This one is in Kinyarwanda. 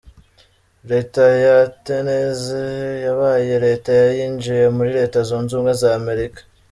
Leta ya Tennessee yabaye Leta ya yinjiye muri Leta zunze ubumwe za Amerika.